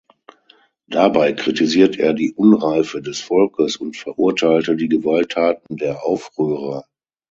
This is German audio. Dabei kritisiert er die Unreife des Volkes und verurteilte die Gewalttaten der Aufrührer.